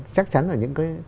chắc chắn là những cái